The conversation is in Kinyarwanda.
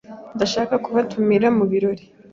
Ndashaka kubatumira mubirori.